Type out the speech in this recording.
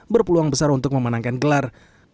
berpeluang besar untuk memenangkan gelar